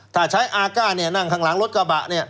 ถ้าใช้อาก้าเนี่ยนั่งข้างหลังรถกระบะเนี่ย